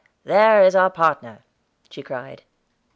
"There is our partner," she cried.